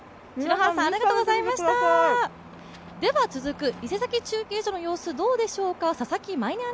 続く伊勢崎中継所の様子はどうでしょうか。